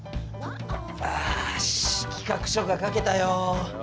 おし企画書が書けたよ！